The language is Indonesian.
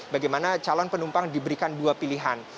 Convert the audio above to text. bagaimana calon penumpang diberikan dua pilihan